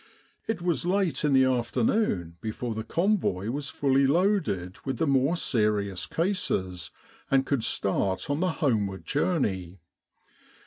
It was late in the afternoon before the Convoy was fully loaded with the more serious cases, and could start on the homeward journey.